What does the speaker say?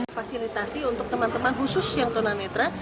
fasilitasi untuk teman teman khusus yang tunanetra